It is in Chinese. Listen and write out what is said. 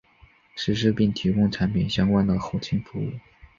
实施并提供产品相关的后勤服务。